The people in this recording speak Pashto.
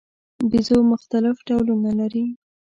بیزو مختلف ډولونه لري.